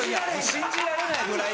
信じられないぐらい。